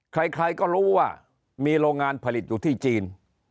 ใครก็รู้ว่ามีโรงงานผลิตอยู่ที่จีน